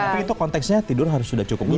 tapi itu konteksnya tidur harus sudah cukup jauh